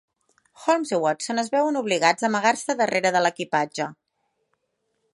Holmes i Watson es veuen obligats a amagar-se darrere de l'equipatge.